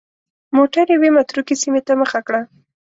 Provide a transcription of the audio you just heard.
موټر یوې متروکې سیمې ته مخه کړه.